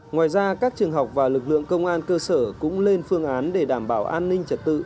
ngoài ra các trường học và lực lượng công an cơ sở cũng lên phương án để đảm bảo an ninh trật tự